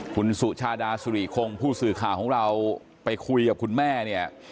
คุณสุชาดาสุริคงผู้สื่อข่าวของเราไปคุยกับคุณแม่เนี่ย